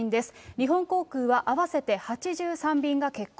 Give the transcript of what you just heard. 日本航空は合わせて８３便が欠航。